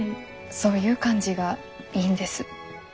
そういう感じがいいんです。